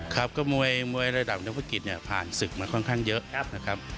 ครับก็มวยระดับนพกิจเนี่ยผ่านศึกมาค่อนข้างเยอะนะครับ